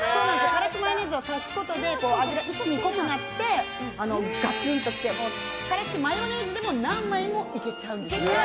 からしマヨネーズを足すことで味が濃くなってガツンときてからしマヨネーズでも何枚もいけちゃう。